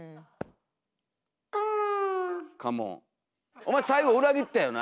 「お前最後裏切ったよな？